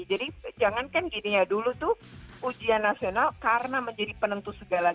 jadi jangan kan gini ya dulu tuh ujian nasional karena menjadi penentu selama berapa tahun